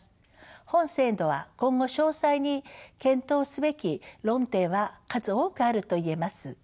本制度は今後詳細に検討すべき論点は数多くあると言えます。